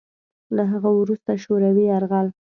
له هغه وروسته شوروي یرغل